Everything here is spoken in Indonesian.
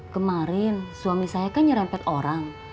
kemarin suami saya kan nyerempet orang